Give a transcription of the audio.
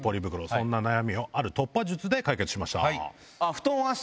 そんな悩みをある突破術で解決しました。